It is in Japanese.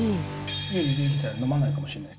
家で出てきたら飲まないかもしれない。